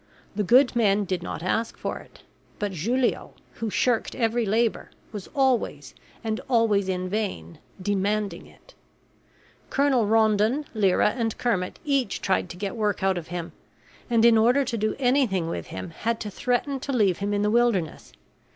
The good men did not ask for it; but Julio, who shirked every labor, was always, and always in vain, demanding it. Colonel Rondon, Lyra, and Kermit each tried to get work out of him, and in order to do anything with him had to threaten to leave him in the wilderness.